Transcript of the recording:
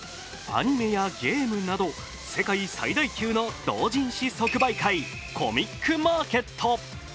アニメやゲームなど、世界最大級の同人誌即売会、コミックマーケット。